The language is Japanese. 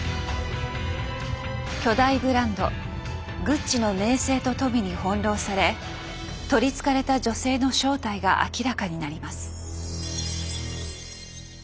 巨大ブランドグッチの名声と富に翻弄され憑りつかれた女性の正体が明らかになります。